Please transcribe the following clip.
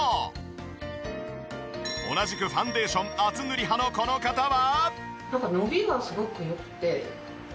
同じくファンデーション厚塗り派のこの方は。